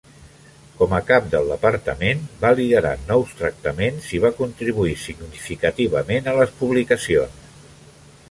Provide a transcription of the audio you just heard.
Com a cap del departament, va liderar nous tractaments i va contribuir significativament a les publicacions.